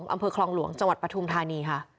อำเภอคลองหลวงจังหวัดปฐุมธานีค่ะ